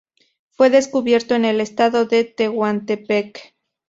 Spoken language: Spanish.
Fue descubierto en el estado de Tehuantepec.